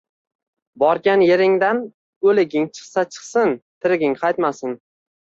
Borgan eringdan o`liging chiqsa chiqsin, tiriging qaytmasin